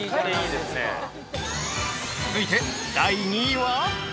◆続いて、第２位は？